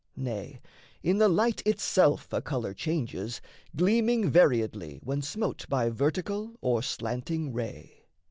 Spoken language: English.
Nay, in the light itself A colour changes, gleaming variedly, When smote by vertical or slanting ray.